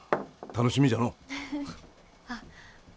楽しみじゃのう。